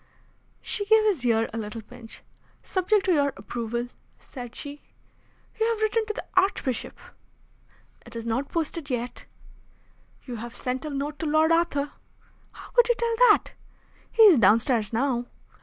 She gave his ear a little pinch. "Subject to your approval," said she. "You have written to the Archbishop." "It is not posted yet." "You have sent a note to Lord Arthur." "How could you tell that?" "He is downstairs now."